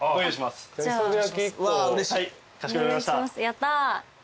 やった！